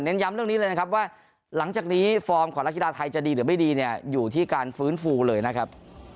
ย้ำเรื่องนี้เลยนะครับว่าหลังจากนี้ฟอร์มของนักกีฬาไทยจะดีหรือไม่ดีเนี่ยอยู่ที่การฟื้นฟูเลยนะครับ